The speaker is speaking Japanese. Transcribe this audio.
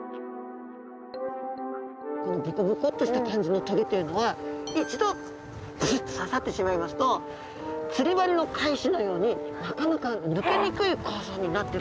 このボコボコっとした感じの棘っていうのは一度ぶすっと刺さってしまいますと釣り針の返しのようになかなか抜けにくい構造になってると考えられています。